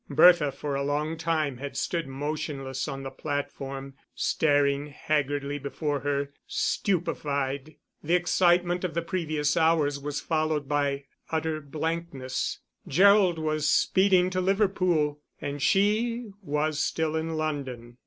Bertha for a long time had stood motionless on the platform, staring haggardly before her, stupefied. The excitement of the previous hours was followed by utter blankness; Gerald was speeding to Liverpool, and she was still in London.